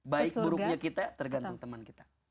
baik buruknya kita tergantung teman kita